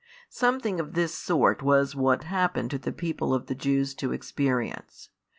Something of this sort was what happened to the people of the Jews to experience.